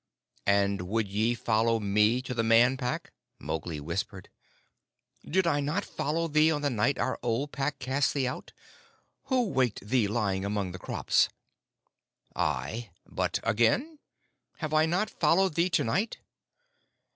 "And would ye follow me to the Man Pack?" Mowgli whispered. "Did I not follow thee on the night our old Pack cast thee out? Who waked thee lying among the crops?" "Ay, but again?" "Have I not followed thee to night?"